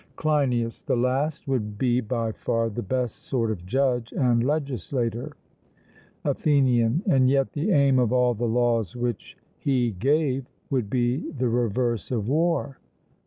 CLEINIAS: The last would be by far the best sort of judge and legislator. ATHENIAN: And yet the aim of all the laws which he gave would be the reverse of war.